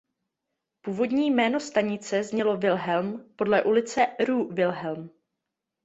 Původní jméno stanice znělo "Wilhelm" podle ulice "Rue Wilhelm".